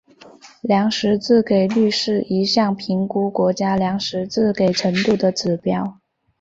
粮食自给率是一项评估国家粮食自给程度的指标。